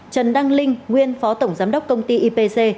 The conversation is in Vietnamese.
trần đăng linh nguyên phó tổng giám đốc công ty ipc